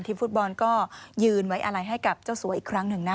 ฟุตบอลก็ยืนไว้อะไรให้กับเจ้าสัวอีกครั้งหนึ่งนะ